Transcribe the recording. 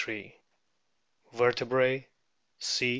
Vertebrae: C.